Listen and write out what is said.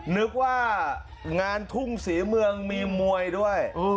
นึกว่างานทุ่งศรีเมืองมีมวยด้วย